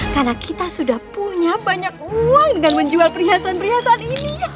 karena kita sudah punya banyak uang dengan menjual perhiasan perhiasan ini